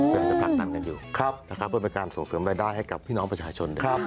พยายามจะพรักตันกันอยู่เป็นเป็นการเสริมรายได้ให้กับพี่น้องประชาชน